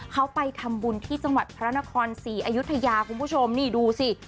เขาไปทำบุญที่จังหวัดพระนครศรีอยุธยาคุณผู้ชมนี่ดูสิ